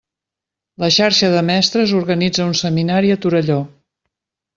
La xarxa de mestres organitza un seminari a Torelló.